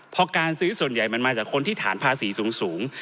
พอการซื้อส่วนใหญ่มันมาจากคนที่ฐานภาษีสูง